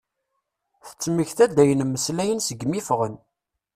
Tettmekta-d ayen mmeslayen segmi i iffɣen.